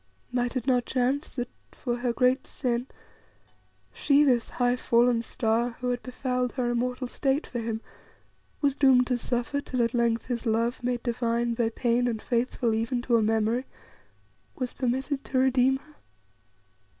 Might it not chance that for her great sin, she, this high, fallen star, who had befouled her immortal state for him, was doomed to suffer till at length his love, made divine by pain and faithful even to a memory, was permitted to redeem her?"